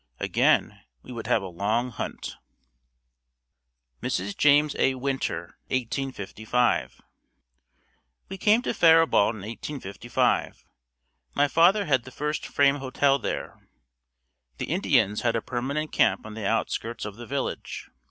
Again we would have a long hunt. Mrs. James A. Winter 1855. We came to Faribault in 1855. My father had the first frame hotel there. The Indians had a permanent camp on the outskirts of the village.